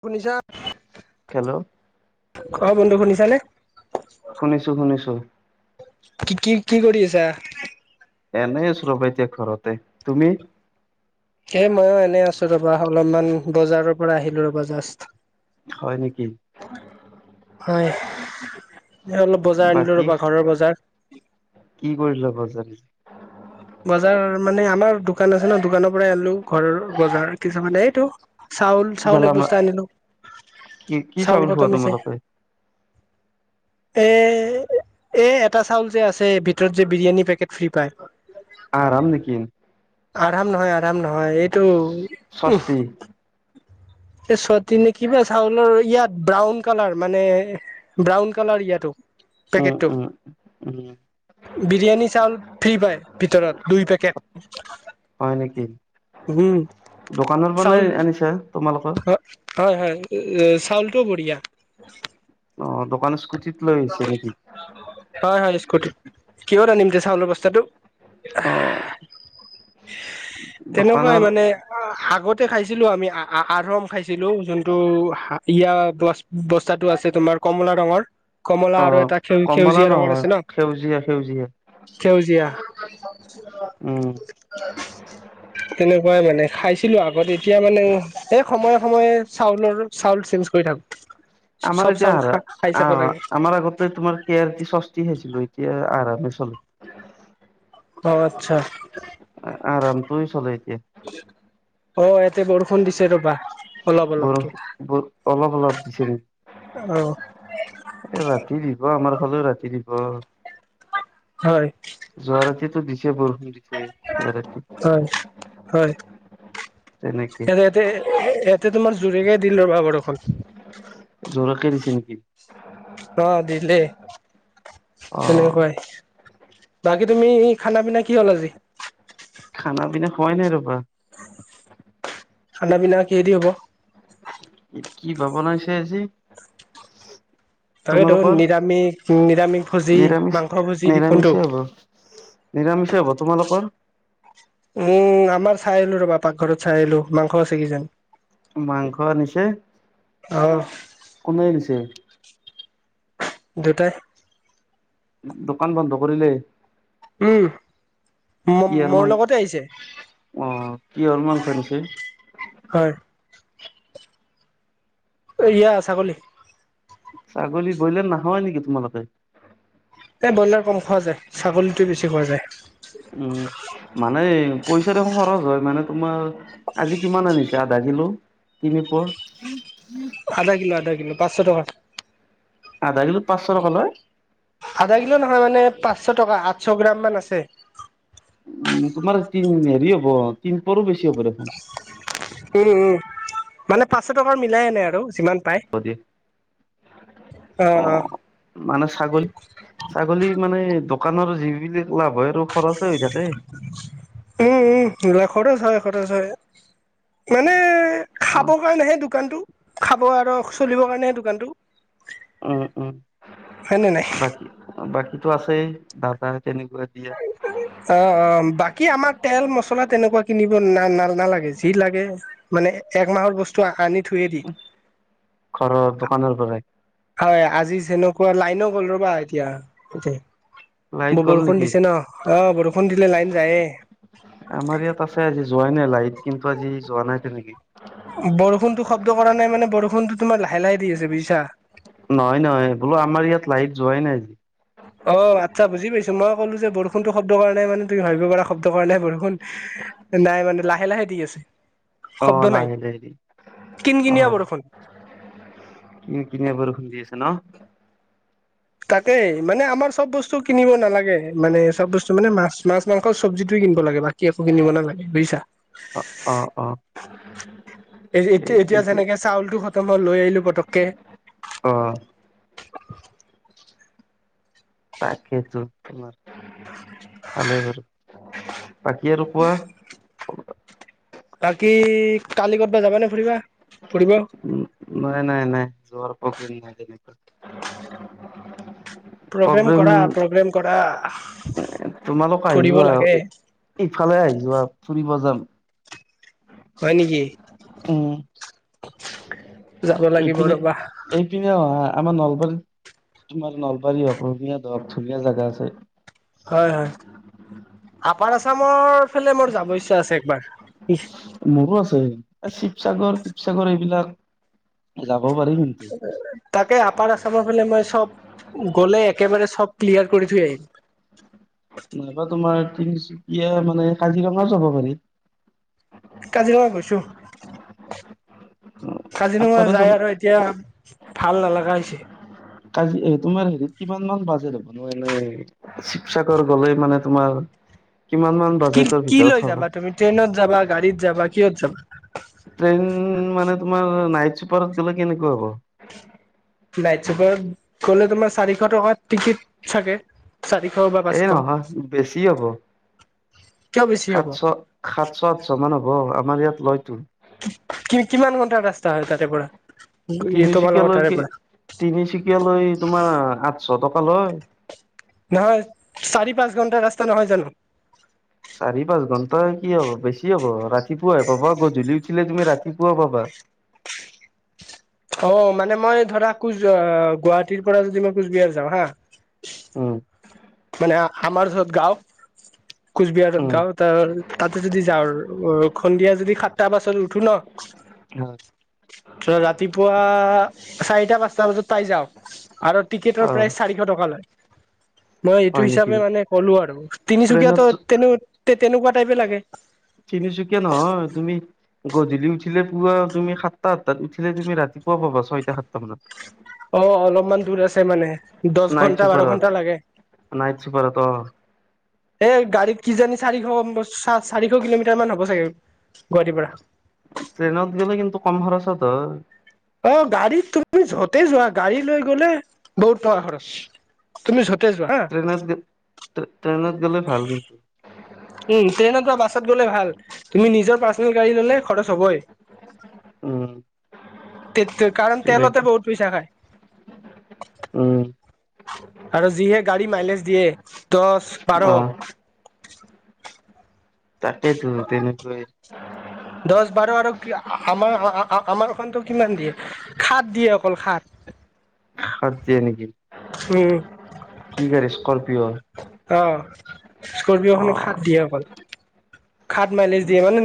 শুনিছা। হেল্ল', কোৱা বন্ধু শুনিছানে? শুনিছো শুনিছো। কি কি কি কৰি আছা? এনেই আছো ৰবা এতিয়া ঘৰতে, তুমি। এ ময়ো এনেই আছোঁ ৰবা অলপমান বজাৰৰ পৰা আহিলো ৰবা জাষ্ট। হয় নেকি। হয়, এ অলপ বজাৰ আনিলো বাকী ৰবা ঘৰৰ বজাৰ। কি কৰিলা বজাৰ। বজাৰ মানে আমাৰ দোকান আছে ন দোকানৰ পৰাই আনিলো ঘৰৰ বজাৰ কিছুমান এইটো, চাউল চাউল এক গেলামা বস্তা আনিলো। কি কি চাউল খোৱা খতম হৈছে তোমালোকে? [inaudible] এহ, এহ এটা চাউল যে আছে, ভিতৰত যে বিৰিয়ানী পেকেট ফ্ৰী পায়। আৰাম নেকি আৰাম নহয় আৰাম নহয়। ষষ্ঠি এইটো এ ছটি নে কিবা চাউলৰ ইয়াত ব্ৰাউন কালাৰ মানে ব্ৰাউন কালাৰ ইয়াতো। উম পেকেটো। উম উম। বিৰিয়ানী চাউল ফ্ৰী পায়। ভিতৰত দুই পেকেট। হয় নেকি, উম দোকানৰ পৰা নে চাউল আনিছা তোমালোকৰ হয় হয়। চাউলটো বঢ়িয়া। অ দোকান স্কুটি হয় হয় স্কুটি, কিহত আনিম এতিয়া চাউলৰ বস্থাটো। অ তেনেকুৱাই দোকানৰ মানে আগতে খাইছিলো আমি, আৰম খাইছিলো। যোনটো হাবিয়া‌ গছ বস্তাটো আছে তোমাৰ কমলা ৰঙৰ। কমলা অ আৰু এটা কমলা সেউজীয়া ৰঙৰ নহয় আছে নহ, সেউজীয়া সেউজীয়া সেউজীয়া উম তেনেকুৱাই মানে খাইছিলোঁ আগতে এতিয়া মানে এই সময়ে সময়ে চাউলৰ চাউল চেঞ্জ কৰি থাকো। আমাৰ চব এতিয়া চাউল আৰু খা খাই চাব অহ লাগে আমাৰ আগতে তোমাৰ কেয়াস্তি ছচদি খাইছিলোঁ। এতিয়া আৰামে অ আচ্ছা। আৰামটো চলে এতিয়া অ ইয়াতে বৰষুণ দিছে ৰবা। অলপ বৰ অলপকে বৰ অলপ অলপ দিছে। অহ এই ৰাতি দিব। আমাৰ ফালেও ৰাতি দিব। হয় যোৱা ৰাতিতো দিছে। বৰষুণ দিছে যোৱা ৰাতি। হয় হয়। তেনেকে এহ ইয়াতে তোমাৰ জোৰেৰেই দিলে ৰবা বৰষুণ। জোৰকে দিছে নেকি। অহ দিলেই, অ তেনেকুৱাই বাকী তুমি খানা পিনা কি হল আজি খানা পিনা খোৱাই নাই ৰবা। খানা পিনা কিহেদি হব। কি বা বনাইছে আজি। তাকেইতো তোমালোকৰ নিৰামিষ নিৰামিষ ভূজি নিৰামিষ মাংস ভূজি নিৰামিষে কোনটো? হ'ব নিৰামিষে হব। তোমালোকৰ? উম। আমাৰ চাই আহিলো ৰবা, পাকঘৰত চাই আহিলো। মাংস আছে কিজান মাংস আনিছে। অ কোনে আনিছে? দেটাই দোকান বন্ধ কৰিলেই। উম। মো কিহৰ মোৰ মাংস লগতে আহিছে। অ কিহৰ মাংস আনিছে হয়। এইয়া ছাগলী ছাগলী ব্ৰইলাৰ নাখাৱাই নেকি তোমালোকে এই ব্ৰইলাৰ কম খোৱা যায়। ছাগলীতোৱে বেছি খোৱা যায়। উম। মানে পইচা দেখোন খৰচ হয় মানে তোমাৰ আজি কিমান আনিছা আধা কিলো। তিনিপোৱা আধা কিলো আধা কিলো পাঁচশ টকাৰ। আধা কিলোত পাঁচশ টকা লয়? আধা কিলো নহয় মানে, পাঁচশ টকা আঠশ গ্ৰাম মান আছে। উম, তোমাৰ তিন হেৰি হব তিন পৰো বেছি হব দেখোন। উম উম। মানে পাঁচশ টকাৰ মিলাই আনে আৰু যিমান পায় হব দিয়া। অ অ অহ, মানে ছাগলী ছাগলী মানে দোকানৰ যিবিলাক লাভ হয় আৰু খৰচে হৈ থাকে। উম-উম লোৱা খৰচ হয় খৰচ হয় মানে অ খাব কাৰণেহে দোকানটো খাব আৰু চলিবৰ কাৰণেহে দোকানটো। উম-উম হয় নে নাই বাকী বাকীতো আছেই দাদা তেনেকুৱা দিয়া। [unintelligible] অ'-অ' বাকী আমাৰ তেল মছলা তেনেকুৱা কিনিব না না নালাগে যি লাগে মানে একমাহৰ বস্তু আনি থয়ে দিওঁ। ঘৰৰ দোকানৰ পৰাই হয় আজি যেনেকুৱা লাইনো গ'ল ৰবা এতিয়া লাইট গ'ল বৰষুণ নেকি দিছে ন', অ' বৰষুণ দিলে লাইন যায়ে। আমাৰ ইয়াত আছে আজি যোৱাই নাই লাইট কিন্তু আজি যোৱা নাই তেনেকে। বৰষুণতো শব্দ কৰা নাই মানে বৰষুণতো তোমাৰ লাহে-লাহে দি আছে বুজিছা। নহয়-নহয় বোলো আমাৰ ইয়াত লাইট যোৱাই নাই। অ' আচ্ছা বুজি পাইছোঁ মই কলোঁ যে বৰষুণতো শব্দ কৰা নাই কাৰণে মানে তুমি ভাবিব পাৰা শব্দ কৰা নাই। বৰষুণ নাই মানে লাহে-লাহে দি আছে। শব্দ অ' নাই লাহে- লাহে দিছে, কিন কিনিয়া অ'। বৰষুণ। কিন কিনিয়া বৰষুণ দি আছে ন'? তাকেই মানে আমাৰ চব বস্তু কিনিব নালাগে মানে চব বস্তু মানে মাছ-মাছ মাংস চবজিটোৱে কিনিব লাগে বাকী বাকী একো কিনিব নালাগে বুজিছা। অ'-অ' এ এতিয়া-এতিয়া সেইটোতো যেনেকে চাউলটো খতম হ'ল লৈ আহিলোঁ পতকে। অ' তাকেইতো তোমাৰ ভালেই বাৰু, বাকী আৰু কোৱা? বাকী কালি ক'ৰবাত যাবা নে ফুৰিবা? ফুৰিব [unintelligible] নাই-নাই-নাই যোৱাৰ প্ৰগ্ৰেম নাই তেনেকুৱা। প্ৰগ্ৰেম কৰা প্ৰগ্ৰেম কৰা তোমালোক আহি ফুৰিব যোৱা লাগে। ইফালে আহি যোৱা ফুৰিব যাম। হয় নেকি, উম যাব লাগিব এইপিনে ৰবা। এইপিনে অহা আমাৰ নলবাৰীত তোমাৰ নলবাৰী হওক ৰঙিয়াত হওক ধুনীয়া জাগা আছে। হয়-হয় আপাৰ আছামৰ ফালে মোৰ যাব ইচ্ছা আছে একবাৰ। মোৰো আছে শিৱসাগৰ-শিৱসাগৰ এইবিলাক যাব পাৰি কিন্তু। তাকে আপাৰ আছামৰ ফালে মই চব গ'লে একেবাৰে চব ক্লিয়াৰ কৰি থৈ আহিম। নাইবা তোমাৰ তিনিচুকীয়া মানে কাজিৰঙাও যাব পাৰি। কাজিৰঙা গৈছোঁ, কাজিৰঙা আপাৰ আচাম যায় আৰু এতিয়া ভাল নালাগা হৈছে। কাজি তোমাৰ হেৰি কিমান মান বাজেট হ'বনো এনে শিৱসাগৰ গ'লে মানে তোমাৰ কিমান মান কি বাজেটৰ কি লৈ ভিতৰত যাবা হ'ব। তুমি ট্ৰেইনত যাবা, গাড়ীত যাবা কিহত যাবা? ট্ৰেইন মানে তোমাৰ নাইট চুপাৰত গ'লে কেনেকুৱা হ'ব। নাইট চুপাৰত গ'লে তোমাৰ চাৰিশ টকা টিকিট চাগে। চাৰিশ বা এই পাঁচশ। নহয় বেছি হ'ব। বেছি হ'ব সাতশ সাতশ আঠশ মান হ'ব আমাৰ ইয়াত লয়তো। কি কিমান ঘণ্টাৰ ৰাস্তা হয় তাৰে পৰা, তোমালোকৰ তাৰে পৰা। তিনিচুকীয়া লৈ তোমাৰ আঠশ টকা লয়। নহয়, চাৰি পাঁচ, ঘণ্টা ৰাস্তা নহয় জানো। চাৰি পাঁচ ঘণ্টা কি হ'ব বেছি হ'ব ৰাতিপুৱাই পাবা গধূলি উঠিলে তুমি ৰাতিপুৱা পাবা। অ' মানে মই ধৰা কোচ গুৱাহাটীৰ পৰা যদি মই কোচবিহাৰ যাওঁ হা উম মানে আমাৰ য'ত গাওঁ। কোচবিহাৰত উম, গাওঁ তাৰ তাতে যদি যাওঁ সন্ধিয়া যদি সাতটা বাছত উঠো ন। [inaudible] হয়। তে ৰাতিপুৱা চাৰিটা পাঁচটা বজাত পাই যাওঁ। আৰু- টিকেটৰ অহ, প্ৰাইচ চাৰিশ টকা লয়। মই এইটো হয় নেকি? হিচাপে মানে ক'লো আৰু তিনিচুকীয়াতো ট্ৰেইনত তেনে তেনেকুৱা টাইপে লাগে। তিনিচুকীয়া নহয়। তুমি গধূলি উঠিলে পুৱা তুমি সাতটা, আঠটাত উঠিলে তুমি ৰাতিপুৱা পাবা। ছয়টা সাতটা মানত- অ অলপমান দূৰ আছে। মানে দছ নাইট ঘন্টা বাৰ চুপাৰত ঘন্টা লাগে- নাইট চুপাৰত অ- এ গাড়ীত কিজানি চাৰিশ, চাৰিশ কিলোমিটাৰ মান হ'ব চাগে গুৱাহাটীৰ, পৰা। ট্ৰেইনত গেলে কিন্তু কম খৰচত হয়- অ গাড়ীত তুমি যতেই যোৱা গাড়ী লৈ গলে বহুত টকা খৰচ। তুমি যতে যোৱা হা। ট্ৰেইত ট্ৰেইনত গ'লে ভাল কিন্তু। উম ট্ৰেইনত, বাছত গ'লে ভাল তুমি নিজৰ পাৰ্চনেল গাড়ী, ল'লে খৰচ হ'বই। উম, - তে কাৰণ তেলতে বহুত পইচা খায়। উম, আৰু যিহে গাড়ী মাইলেজ দিয়ে দহ বাৰ- অ', তাকেইেতো তেনেকৈ- দহ বাৰ আৰু কি আমাৰ আমাৰখনতো কিমান দিয়ে। সাত দিয়ে অকল সাত- সাত দিয়ে নেকি উম কি গাড়ী, স্কৰপিঅ'ৰ। অ, স্কপিঅ খন সাত দিয়ে অকল সাত মাইলেজ দিয়ে, মানে-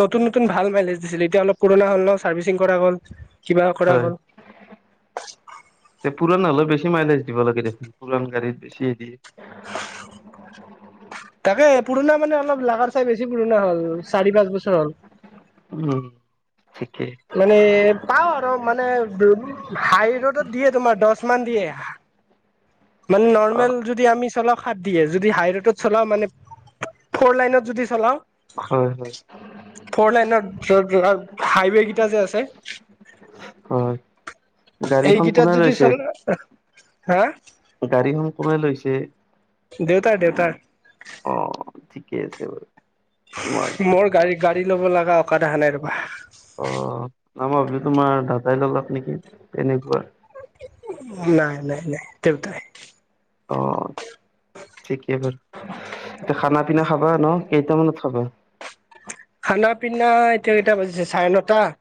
নতুন নতুন ভাল মাইলেজ দিছিল এতিয়া অলপ পুৰণা হ'ল ন চাৰ্ভিচিং কৰা হ'ল। কিবা কৰা হয়। হ'ল। তে পুৰাণ হ'লেও বেছি মাইলেজ দিব লাগে দেখোন পৰাণ গাড়ীত, বেছি। [inaudible] তাকে পুৰণা মানে অলপ লাগাৰ চাই বেছি পুৰণা হ'ল চাৰি পাঁচ বছৰ হ'ল। উম, ঠিকেই। মানে পাওঁ আৰু মানে হাই ৰোডত দিয়ে তোমাৰ দহ মান দিয়ে- মানে অ নৰ্মেল যদি আমি চলাওঁ- সাত দিয়ে যদি হাই ৰোডত চলাও মানে ফ'ৰ লাইনত যদি হয় হয় চলাও- ফৰ লাইন হাইৱে কেইটা যে আছে। হয়। এই গাড়ীখন কিটাৰ কোনে যদি লৈছে চল হা গাড়ীখন কোনে লৈছে। দেউতাই দেউতাই- অ ঠিকেই আছে বাৰু। তোমাৰ মই গাড়ী গাড়ী ল'ব লগা অকাদ অহা নাই ৰবা অ, আমাৰ ভাবি তোমাৰ দাদাই ল'লক নেকি? তেনেকুৱা- উম নাই নাই নাই দেউতাই- অ ঠিকেই বাৰু এতিয়া খানা পিনা খাবা ন কেইটামানত খাবা। খানা পিনা এতিয়া কেইটা বাজিছে চাৰে নটা-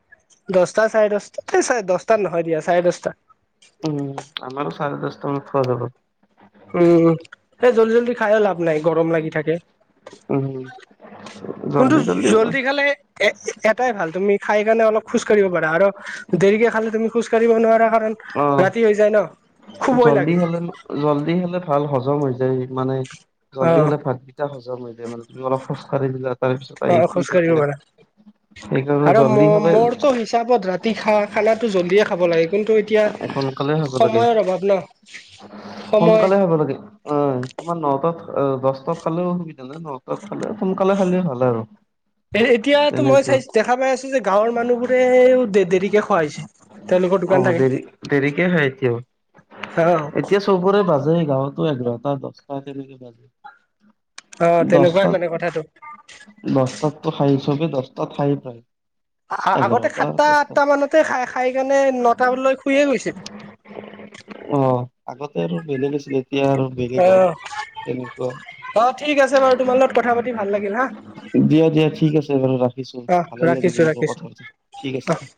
দহটা চাৰে দহটা এই চাৰে দহটাত নহয় দিয়া চাৰে দহটা উম আমাৰো চাৰে দচটা মানত খোৱা যাব। উম, এ জল্দি জল্দি খাইও লাভ নাই গৰম লাগি থাকে। উম কোনটো জল্দি খালে এ এটাই ভাল তুমি খাই কাৰণে অলপ খোজ কঢ়িব পাৰা আৰু- দেৰিকে খালে তুমি খোজ কাঢ়িব নোৱাৰা কাৰণ অ ৰাতি হৈ যায় ন, শুবই জল্দি লাগে। হলে জল্দি হলে ভাল হজম হৈ যায় মানে অ জল্দি হলে ভাত কেইটা হজম হৈ যায় মানে তুমি অলপ খোজ কাঢ়ি দিলা তাৰ পিছত অ আহি খোজ শুই কাঢ়িব থাকিলা পাৰে সেইকাৰণে আৰু জল্দি ম হলে মোৰটো হিচাপত ৰা তি খা খানাতো জল্ডিয়ে খাব লাগে কিন্তু এতিয়া সোনকালে হ'ব লাগে সময়ৰ অভাৱ ন সময় বলকে অ তোমাৰ নটাত দহটাত খালেও অসুবিধা নাই নটাত খালে সোনকালে খালে ভাল আৰু এ এতিয়াতো মই তেনেকুৱা চাইছো দেখা পাই আছো যে গাঁৱৰ মানুহবোৰেও দে দেৰিকে খোৱা হৈছে তেওঁলোকৰ অ দোকান থাকে দেৰি দেৰিকে হয়ে এতিয়াও অ', এতিয়া চবৰে বাজে গাঁৱতো এঘাৰটা দহটা তেনেকে বাজে অ তেনেকোৱাই মানে কথাটো দছটাততো খাই চবেই দছটাত খায়ে প্ৰায় আ আগতে এঘাৰটা সাতটা দহটা আঠটা মানতে খাই খাই কেনে নটা মানত শুইয়ে গৈছিল অ আগতে আৰু বেলেগ আছিলে এতিয়া আৰু বেলেগ হল অ', তেনেকোৱা অ', ঠিক আছে বাৰু তোমাৰ লগত কথা পাতি ভাল লাগিল হা দিয়া দিয়া ঠিক আছে বাৰু ৰাখিছো অ', ভালে ৰাখিছো লাগিল মোৰো ৰাখিছো কথা পাতি ঠিক আছে অ'। দিয়া